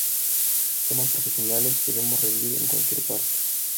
Somos profesionales y debemos rendir en cualquier parte.